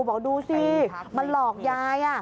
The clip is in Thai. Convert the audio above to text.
บอกดูสิมันหลอกยาย